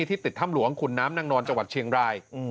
ที่ติดถ้ำหลวงขุนน้ำนางนอนจังหวัดเชียงราย